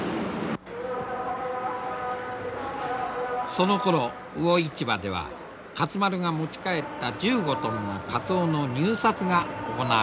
そのころ魚市場では勝丸が持ち帰った１５トンのカツオの入札が行われていた。